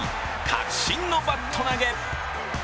確信のバット投げ。